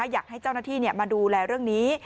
อยากให้เจ้าหน้าที่มาดูแลเรื่องนี้